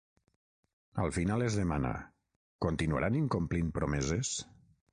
Al final, es demana: ‘Continuaran incomplint promeses?’